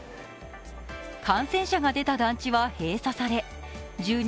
感染者が出た団地は閉鎖され住民